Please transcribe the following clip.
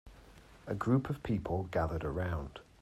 A group of people gathered around.